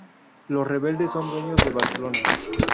Los rebeldes son dueños de Barcelona".